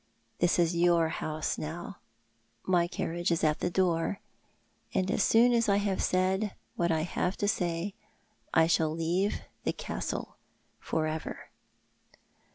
This is your house now. My carriage is at the door, and as soon as I have said what I have to say 1 shall leave the Castle for ever."